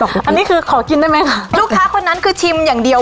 อันนี้คือขอกินได้ไหมลูกค้าคนนั้นคือชิมอย่างเดียว